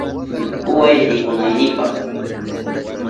Kuway rikunaynipa.